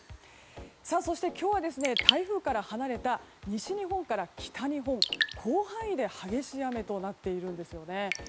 そして、今日は台風から離れた西日本から北日本広範囲で激しい雨となっているんですよね。